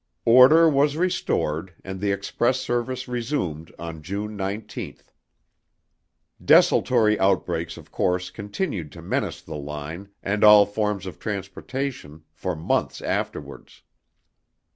Order was restored and the express service resumed on June 19. Desultory outbreaks, of course, continued to menace the line and all forms of transportation for months afterwards.